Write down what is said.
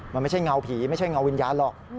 มันไม่ใช่เงาผีไม่ใช่เงาวิญญาณหรอก